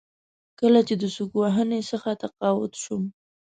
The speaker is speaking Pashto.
کله چې د سوک وهنې څخه تقاعد شوم.